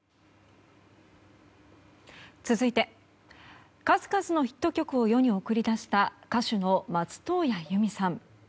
続いて数々のヒット曲を世に送り出した歌手の松任谷由実さん。